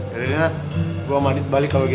ya udah deh gue mandi balik kalau gitu